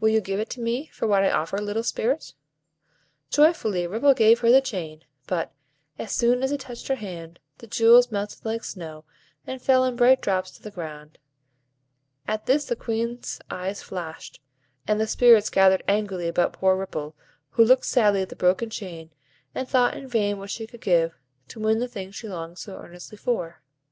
Will you give it me for what I offer, little Spirit?" Joyfully Ripple gave her the chain; but, as soon as it touched her hand, the jewels melted like snow, and fell in bright drops to the ground; at this the Queen's eyes flashed, and the Spirits gathered angrily about poor Ripple, who looked sadly at the broken chain, and thought in vain what she could give, to win the thing she longed so earnestly for.